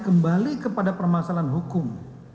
kembali kepada permasalahan hukum